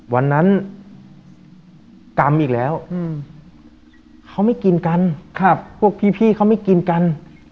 วันนั้นกรรมอีกแล้วเขาไม่กินกันพวกพี่เขาไม่กินกัน